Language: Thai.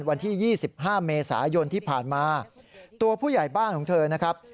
วันที่๒๕เมษายนที่ผ่านมาตัวผู้ใหญ่บ้านของเธอนะครับ